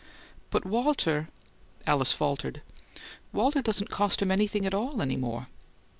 "But Walter " Alice faltered. "Walter doesn't cost him anything at all any more."